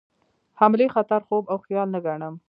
حملې خطر خوب او خیال نه ګڼم.